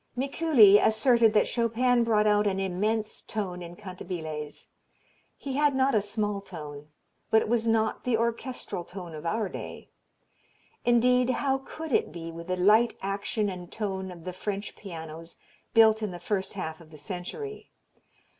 Mikuli asserted that Chopin brought out an "immense" tone in cantabiles. He had not a small tone, but it was not the orchestral tone of our day. Indeed how could it be, with the light action and tone of the French pianos built in the first half of the century?